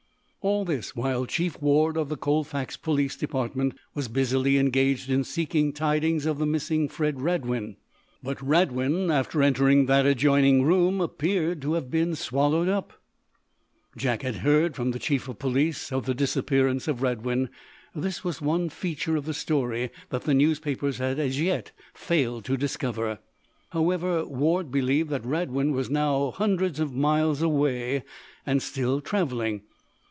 All this while Chief Ward, of the Colfax police department, was busily engaged in seeking tidings of the missing Fred Radwin. But Radwin, after entering that adjoining room, appeared to have been swallowed up. Jack had heard, from the chief of police, of the disappearance of Radwin. This was one feature of the story that the newspapers had as yet failed to discover. However, Ward believed that Radwin was now hundreds of miles away, and still traveling.